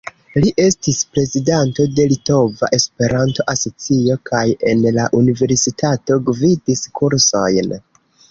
Li estis prezidanto de Litova Esperanto-Asocio, kaj en la universitato gvidis kursojn.